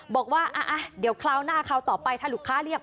บอกว่าเดี๋ยวคราวหน้าคราวต่อไปถ้าลูกค้าเรียก